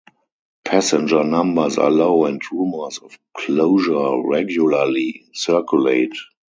Passenger numbers are low and rumours of closure regularly circulate.